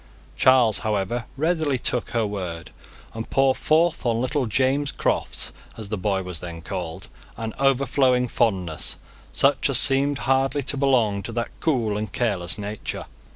Charles, however, readily took her word, and poured forth on little James Crofts, as the boy was then called, an overflowing fondness, such as seemed hardly to belong to that cool and careless nature.